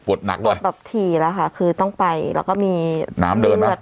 หนักเลยแบบถี่แล้วค่ะคือต้องไปแล้วก็มีน้ำเดินมา